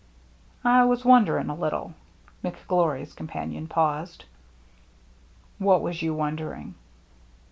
"I was wondering a little —" McGlory's companion paused. " What was you wondering